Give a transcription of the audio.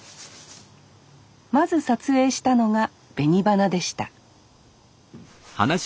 まず撮影したのが紅花でした